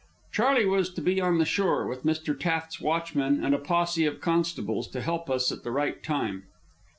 Charley was to be on the shore, with Mr. Taft's watchmen and a posse of constables, to help us at the right time.